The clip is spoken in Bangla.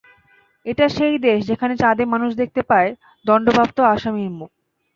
এটা সেই দেশ, যেখানে চাঁদে মানুষ দেখতে পায় দণ্ডপ্রাপ্ত আসামির মুখ।